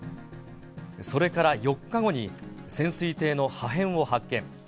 それから４日後に、潜水艇の破片を発見。